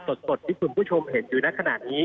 สดที่คุณผู้ชมเห็นอยู่ในขณะนี้